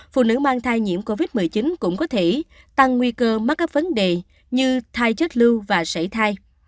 phụ nữ mang thai nhiễm covid một mươi chín cũng có thể tăng nguy cơ mắc các vấn đề như thai chết lưu và sảy thai